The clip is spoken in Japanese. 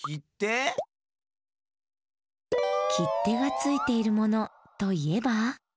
きってがついているものといえば？